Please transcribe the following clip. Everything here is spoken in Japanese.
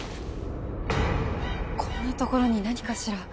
こんな所に何かしら？